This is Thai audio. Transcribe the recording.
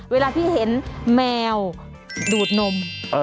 เวลาพี่เห็นแมวดูดนม